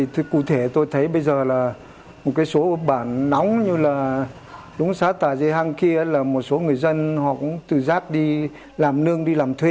thì cụ thể tôi thấy bây giờ là một cái số bản nóng như là đúng xá tà dây hang kia là một số người dân họ cũng từ giáp đi làm nương đi làm thuê